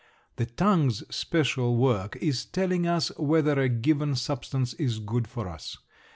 The tongue's special work is telling us whether a given substance is good for us.